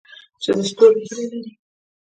چې د ستورو هیلې لري؟